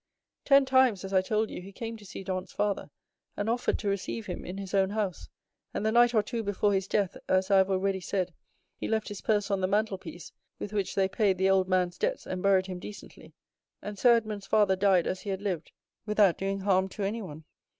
Ten times, as I told you, he came to see Dantès' father, and offered to receive him in his own house; and the night or two before his death, as I have already said, he left his purse on the mantelpiece, with which they paid the old man's debts, and buried him decently; and so Edmond's father died, as he had lived, without doing harm to anyone.